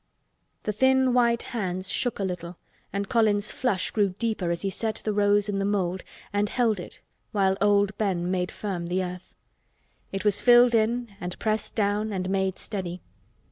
The thin white hands shook a little and Colin's flush grew deeper as he set the rose in the mould and held it while old Ben made firm the earth. It was filled in and pressed down and made steady.